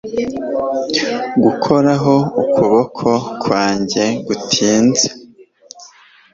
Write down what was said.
Gukoraho ukuboko kwanjye gutinze